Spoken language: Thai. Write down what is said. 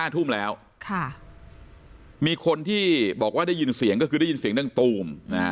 ๕ทุ่มแล้วมีคนที่บอกว่าได้ยินเสียงก็คือได้ยินเสียงดังตูม